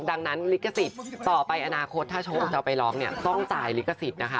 ดังนั้นลิขสิทธิ์ต่อไปอนาคตถ้าโชคจะเอาไปร้องเนี่ยต้องจ่ายลิขสิทธิ์นะคะ